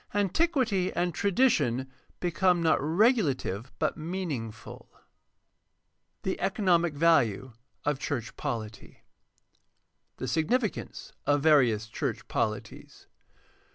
Antiquity and tradition become not regulative but meaningful. PRACTICAL THEOLOGY 597 4. THE ECONOMIC VALUE OF CHURCH POLITY The significance of various church polities.